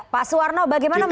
pak suwarno bagaimana mereka